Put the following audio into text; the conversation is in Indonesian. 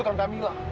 aku gak mau